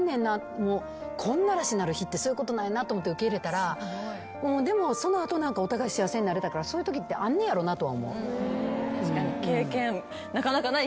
もうこんな嵐になる日ってそういうことなんやなって受け入れたらでもその後お互い幸せになれたからそういうときってあんねんやろなとは思う。